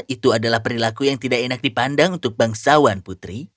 itu adalah perilaku yang tidak enak dipandang untuk bangsawan putri